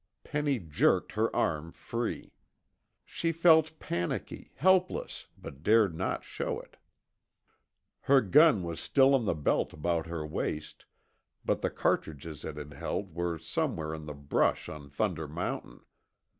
Penny jerked her arm free. She felt panicky, helpless, but dared not show it. Her gun was still on the belt about her waist, but the cartridges it had held were somewhere in the brush on Thunder Mountain.